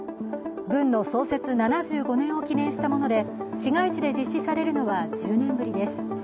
軍の創設７５年を記念したもので市街地で実施されるのは１０年ぶりです。